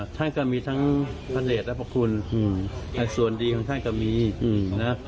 ท่านก็มีทั้งพระเดชและพระคุณในส่วนดีของท่านก็มีนะ